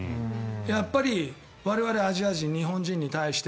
やっぱり我々アジア人日本人に対して